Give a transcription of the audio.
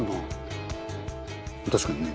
「確かにね。